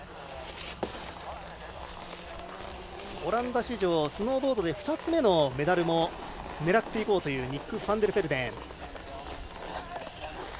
オランダ史上スノーボードで２つ目のメダルも狙っていこうというニック・ファンデルフェルデン。